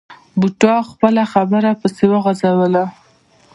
بوډا خپله خبره پسې وغځوله.